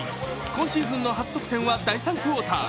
今シーズンの初得点は第３クオーター。